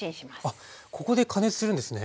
あっここで加熱するんですね。